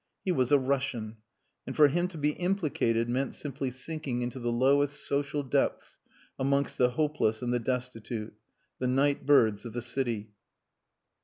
He was a Russian: and for him to be implicated meant simply sinking into the lowest social depths amongst the hopeless and the destitute the night birds of the city.